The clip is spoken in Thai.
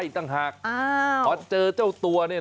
นี่บอกวิธีการทำเลยนะครับเผื่อใครจะทำตามนะคะ